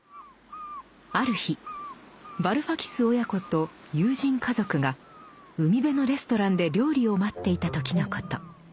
ある日バルファキス親子と友人家族が海辺のレストランで料理を待っていた時のこと。